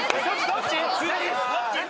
どっち？